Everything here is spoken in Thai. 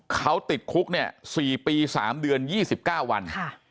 เขาติดคุก๔ปี๓เดือน๒๙วัน